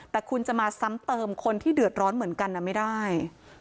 แต่คุณจะมาซ้ำเติมคนที่เดือดร้อนเหมือนกันไม่ได้